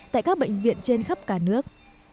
tại các bệnh viện trên khắp cả nước